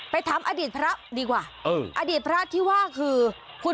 ถามอดีตพระดีกว่าอดีตพระที่ว่าคือคุณ